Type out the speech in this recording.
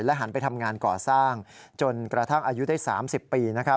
หันไปทำงานก่อสร้างจนกระทั่งอายุได้๓๐ปี